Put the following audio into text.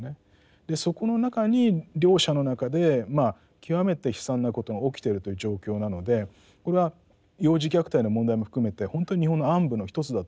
そこの中に両者の中で極めて悲惨なことが起きているという状況なのでこれは幼児虐待の問題も含めて本当に日本の暗部の一つだと思うんです。